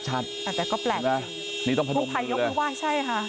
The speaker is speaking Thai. แต่ก็แปลกจริงคู่ภัยยกไปไหว้ใช่ค่ะ